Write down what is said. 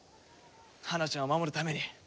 花ちゃんを守るために。